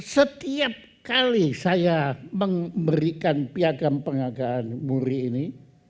setiap kali saya memberikan piagam penghargaan muri ini